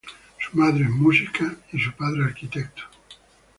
Su madre es músico y su padre, arquitecto.